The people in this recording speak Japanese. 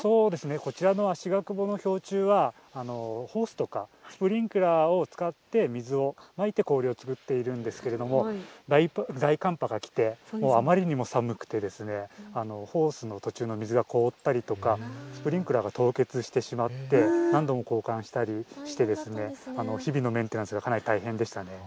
こちらのあしがくぼの氷柱はホースとかスプリンクラーを使って水をまいて氷を作っているんですけれども大寒波が来てあまりにも寒くてコースの途中の水が凍ったりとかスプリンクラーが凍結してしまって何度も交換したりして日々のメンテナンスがかなり大変でしたね。